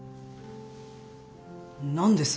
何です？